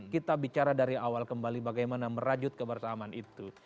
kita bicara dari awal kembali bagaimana merajut kebersamaan itu